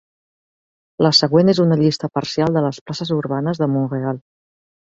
La següent és una llista parcial de les places urbanes de Montreal.